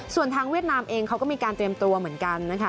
ส่วนทางเวียดนามเองเขาก็มีการเตรียมตัวเหมือนกันนะคะ